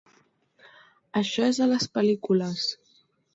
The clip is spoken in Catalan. Això és a les pel·lícules.